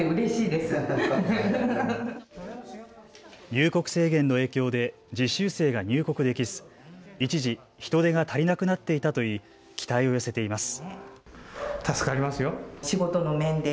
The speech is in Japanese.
入国制限の影響で実習生が入国できず一時、人手がが足りなくなっていたといい、期待を寄せています。